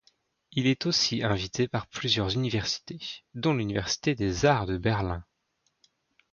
Il est aussi invité par plusieurs universités dont l'université des arts de Berlin.